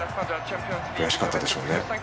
悔しかったでしょうね。